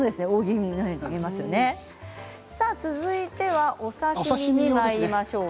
続いてはお刺身にまいりましょう。